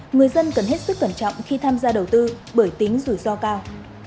người dân cần hết sức cẩn trọng khi tham gia đầu tư bởi tính rủi ro cao